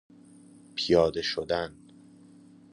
پیاده شدن